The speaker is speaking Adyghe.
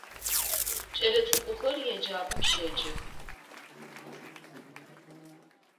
Кӏэлэцӏыкӏухэр еджапӏэм щеджэх.